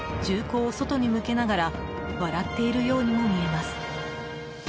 銃口を外に向けながら笑っているようにも見えます。